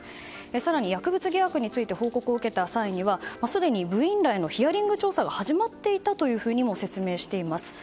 さらに薬物疑惑について報告を受けた際すでに部員らへのヒアリング調査は始まっていたというふうにも説明しています。